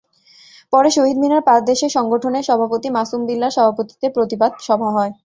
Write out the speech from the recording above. পরে শহীদ মিনার পাদদেশে সংগঠনের সভাপতি মাসুম বিল্লাহর সভাপতিত্বে প্রতিবাদ সভা হয়।